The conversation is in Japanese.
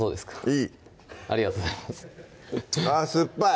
いいありがとうございますあぁ酸っぱい！